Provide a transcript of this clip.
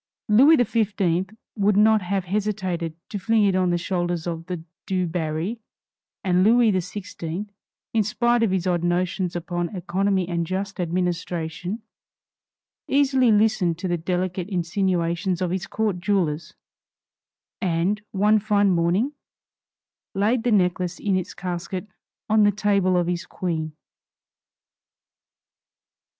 Louis XV would not have hesitated to fling it on the shoulders of the Du Barry, and Louis XVI, in spite of his odd notions upon economy and just administration, easily listened to the delicate insinuations of his court jewelers; and, one fine morning, laid the necklace in its casket on the table of his Queen.